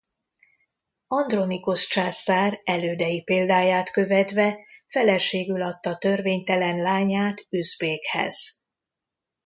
Andronikosz császár elődei példáját követve feleségül adta törvénytelen lányát Üzbéghez.